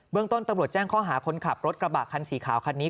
เรื่องต้นตำรวจแจ้งข้อหาคนขับรถกระบะคันสีขาวคันนี้